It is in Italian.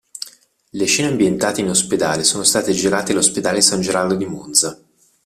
Le scene ambientate in ospedale sono state girate all'Ospedale San Gerardo di Monza.